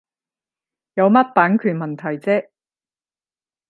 有乜版權問題啫